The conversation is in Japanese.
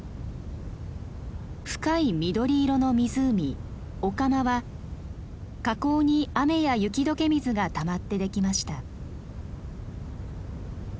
深い緑色の湖御釜は火口に雨や雪解け水がたまってできました。